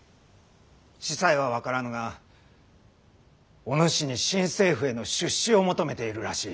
仔細は分からぬがお主に新政府への出仕を求めているらしい。